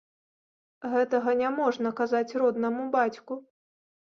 Гэтага няможна казаць роднаму бацьку.